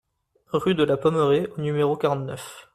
Rue de la Pommerais au numéro quarante-neuf